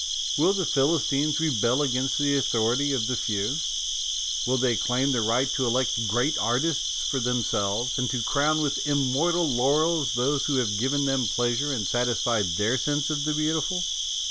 ... Will the Philistines rebel against the authority of the few ; will they claim the right to elect great artists for themselves, and to crown with immortal laurels those who have given them pleasure and satisfied their sense of the beautiful?